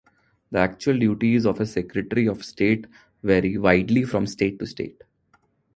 The actual duties of a secretary of state vary widely from state to state.